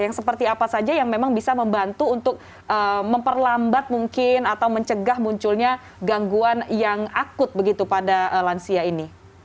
yang seperti apa saja yang memang bisa membantu untuk memperlambat mungkin atau mencegah munculnya gangguan yang akut begitu pada lansia ini